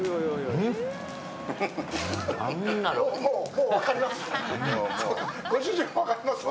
もう分かりますね。